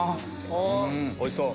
おいしそう！